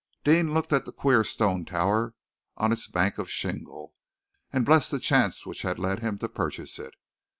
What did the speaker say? Deane looked at the queer stone tower on its bank of shingle, and blessed the chance which had led him to purchase it.